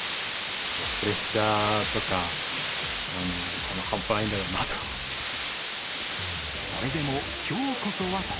プレッシャーとか、たぶん半端ないんだろうなと。